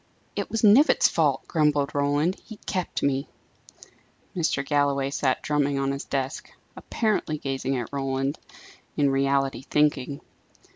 "It was Knivett's fault," grumbled Roland. "He kept me." Mr. Galloway sat drumming on his desk, apparently gazing at Roland; in reality thinking.